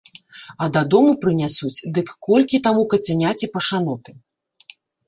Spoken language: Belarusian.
А дадому прынясуць, дык колькі таму кацяняці пашаноты!